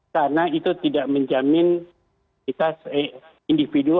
karena itu tidak menjamin kita individu